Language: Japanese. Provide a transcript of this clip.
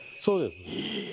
そうです。